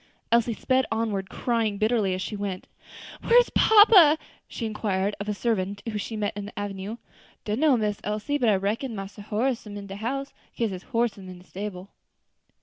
Elsie sped onward, crying bitterly as she went. "Where is papa!" she inquired of a servant whom she met in the avenue. "Dunno, Miss Elsie, but I reckon Massa Horace am in de house, kase his horse am in de stable."